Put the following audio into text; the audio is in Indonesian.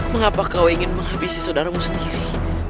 mengapa kau ingin menghabisi saudaramu sendiri